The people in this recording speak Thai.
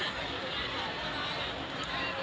ท่านพี่ออกไปก่อน